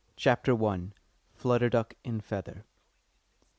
_ CHAPTER I. FLUTTER DUCK IN FEATHER.